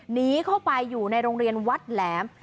หนีเข้าไปอยู่ในโรงเรียนวัดแหลม